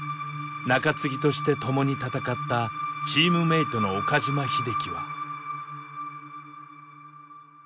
中継ぎとして共に戦ったチームメートの岡島秀樹は。